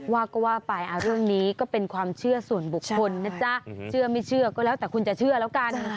ว่าก็ว่าไปเรื่องนี้ก็เป็นความเชื่อส่วนบุคคลนะจ๊ะเชื่อไม่เชื่อก็แล้วแต่คุณจะเชื่อแล้วกัน